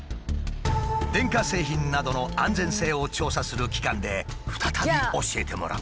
電化製品などの安全性を調査する機関で再び教えてもらう。